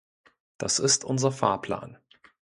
Das ist unser Fahrplan.